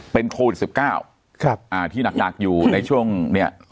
เป็นโควิด๑๙ที่หนักอยู่ในช่วงเนี่ย